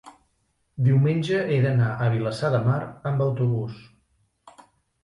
diumenge he d'anar a Vilassar de Mar amb autobús.